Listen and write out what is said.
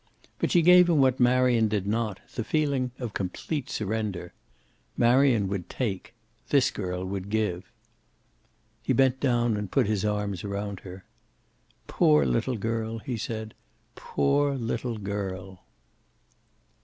But she gave him what Marion did not, the feeling of her complete surrender. Marion would take; this girl would give. He bent down and put his arms around her. "Poor little girl!" he said. "Poor little girl!"